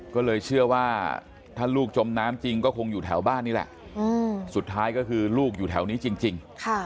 ก็เลยเชื่อว่าถ้าลูกจมน้ำจริงก็คงอยู่แถวบ้านนี่แหละสุดท้ายก็คือลูกอยู่แถวนี้จริง